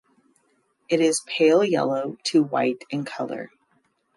It is pale yellow to white in colour.